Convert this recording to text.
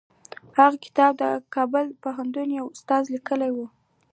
هغه کتاب د کابل پوهنتون یوه استاد لیکلی و.